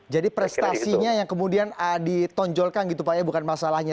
jadi prestasinya yang kemudian ditonjolkan gitu pak ya bukan masalahnya